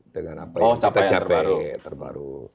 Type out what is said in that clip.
dengan apa yang kita capai terbaru